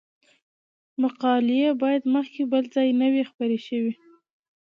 مقالې باید مخکې بل ځای نه وي خپرې شوې.